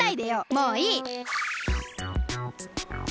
もういい！